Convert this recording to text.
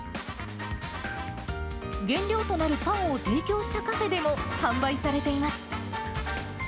原料となるパンを提供したカフェでも販売されています。